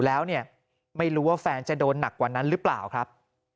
แล้วเนี่ยไม่รู้ว่าแฟนจะโดนหนักกว่านั้นหรือเปล่าครับ